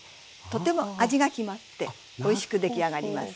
とても味が決まっておいしく出来上がります。